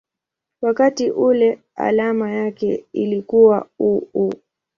wakati ule alama yake ilikuwa µµ.